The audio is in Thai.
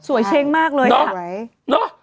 เช้งมากเลยค่ะ